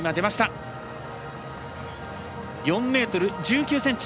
４ｍ１９ｃｍ。